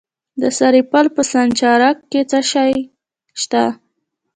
د سرپل په سانچارک کې څه شی شته؟